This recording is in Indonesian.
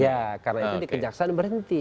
ya karena itu dikejaksaan berhenti